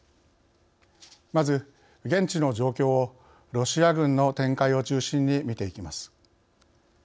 まず現地の状況をロシア軍の展開を中心に見ていきます。